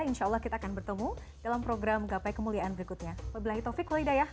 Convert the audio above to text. insya allah kita akan bertemu dalam program gapai kemuliaan berikutnya